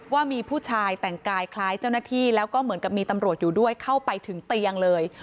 ว่ามีผู้ชายแต่งกายคล้ายเจ้าหน้าที่แล้วก็เหมือนกับมีตำรวจอยู่ด้วยเข้าไปถึงเตียงเลย